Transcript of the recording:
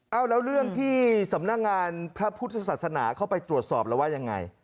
เอาแล้วเรื่องที่สำนักงานพระพุทธศาสนาเข้าไปตรวจสอบแล้วว่ายังไง